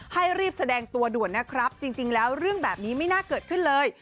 ให้รีบแสดงตัวด่วนนะครับจริงแล้วเรื่องแบบนี้ไม่น่าเกิดขึ้นเลย